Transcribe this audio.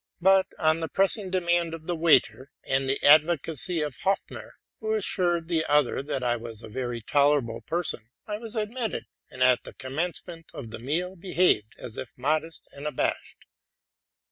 But on the pressing demand of the waiter and the advocacy of Hopfner, who assured the other that I was a very tolerable person, I was admitted, and, at the commencement of the meal, behaved as if modest and abashed.